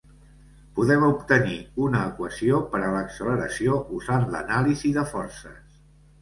Podem obtenir una equació per a l'acceleració usant l'anàlisi de forces.